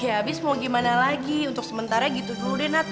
habis mau gimana lagi untuk sementara gitu dulu deh nat